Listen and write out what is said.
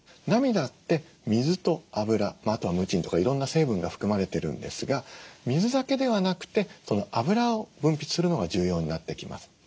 涙って水と脂あとはムチンとかいろんな成分が含まれてるんですが水だけではなくて脂を分泌するのが重要になってきます。